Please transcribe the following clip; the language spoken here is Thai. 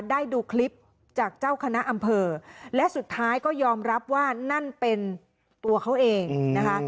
ได้ดูคลิปจากเจ้าคณะอำเภอและสุดท้ายก็ยอมรับว่านั่นเป็นตัวเขาเองนะคะ